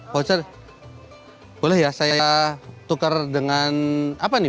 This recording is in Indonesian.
voucher boleh ya saya tukar dengan apa nih